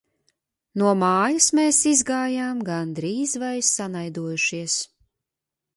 No mājas mēs izgājām gandrīz vai sanaidojušies.